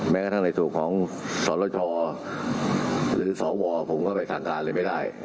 แม้กระทั่งในส่วนของสรชอหรือสวผมก็ไปสั่งการเลยไม่ได้